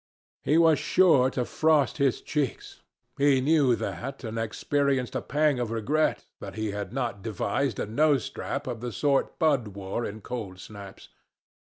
He was sure to frost his cheeks; he knew that, and experienced a pang of regret that he had not devised a nose strap of the sort Bud wore in cold snaps.